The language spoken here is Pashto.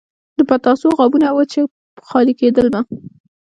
د پتاسو غابونه وو چې خالي کېدل به.